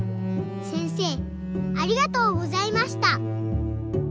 せんせいありがとうございました。